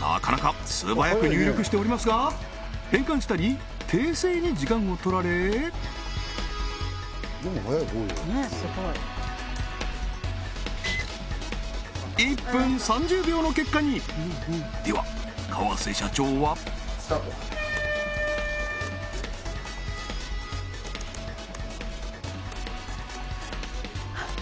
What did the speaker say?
なかなか素早く入力しておりますが変換したり訂正に時間をとられ１分３０秒の結果にでは河瀬社長はスタート！